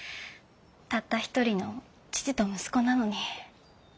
たった一人の父と息子なのに。